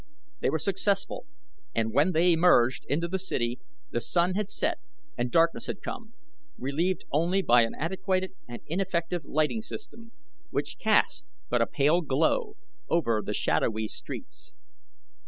They were successful and when they emerged into the city the sun had set and darkness had come, relieved only by an antiquated and ineffective lighting system, which cast but a pale glow over the shadowy streets.